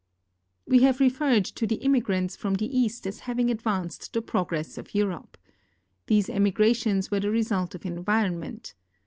We have referred to the immigrants from the east as having advanced the progress of Europe. These emigrations were the result of environment.